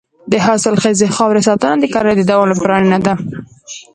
د حاصلخیزې خاورې ساتنه د کرنې د دوام لپاره اړینه ده.